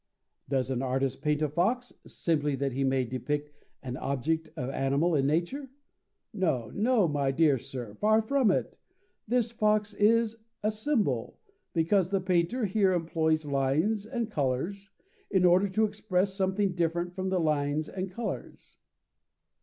"Does an artist paint a fox, simply that he may depict an object of animal nature. No, no, my dear sir, far from it. This fox is a symbol, because the painter here employs lines and colours, in order to express something different from lines and colours.